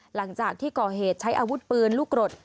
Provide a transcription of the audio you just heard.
หลังจากที่ก่อเหตุใช้อาวุธปืนลูกกรด